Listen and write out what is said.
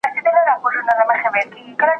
پیوستون د هر بریالي قوم نښه ده.